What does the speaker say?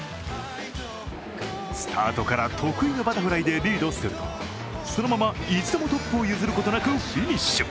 スタートから得意のバタフライでリードするとそのまま一度もトップを譲ることなくフィニッシュ。